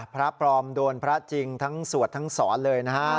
พระปลอมโดนพระจริงทั้งสวดทั้งสอนเลยนะฮะ